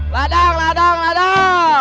ladang ladang ladang